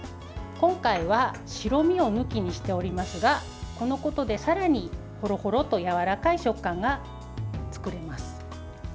今回は白身を抜きにしておりますがこのことで、さらにほろほろとやわらかい食感が作れます。